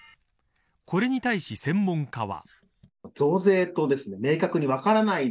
これに対し専門家は。